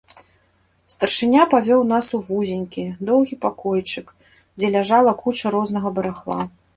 Старшыня павёў нас у вузенькі, доўгі пакойчык, дзе ляжала куча рознага барахла.